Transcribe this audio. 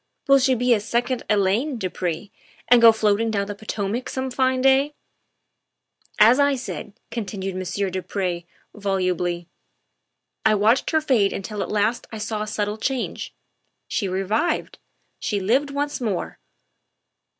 Will she be a second Elaine, du Pre, and go floating down the Potomac some fine day ?'' "As I said," continued Monsieur du Pre volubly, " I watched her fade until at last I saw a subtle change. She revived. She lived once more.